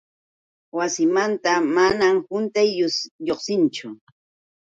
Wasimanta manam quntay lluqsinchu.